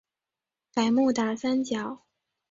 百慕达三角。